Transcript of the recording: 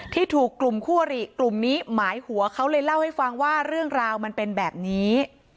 ที่ถูกกลุ่มคู่อริกลุ่มนี้หมายหัวเขาเลยเล่าให้ฟังว่าเรื่องราวมันเป็นแบบนี้